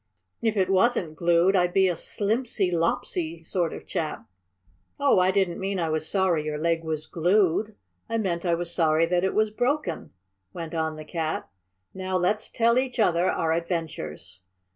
"If it wasn't glued I'd be a slimpsy lopsy sort of chap." "Oh, I didn't mean I was sorry your leg was GLUED, I meant that I was sorry it was BROKEN," went on the Cat. "Now let's tell each other our adventures."